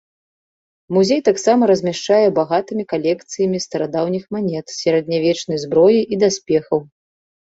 Музей таксама размяшчае багатымі калекцыямі старадаўніх манет, сярэднявечнай зброі і даспехаў.